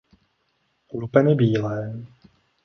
Lupeny bílé.